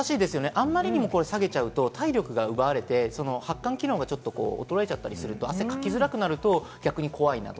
あまりにも下げちゃうと体力が奪われて、発汗機能が衰えちゃったりすると、汗かきづらくなると、逆に怖いなと。